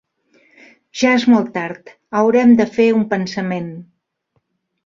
Ja és molt tard: haurem de fer un pensament.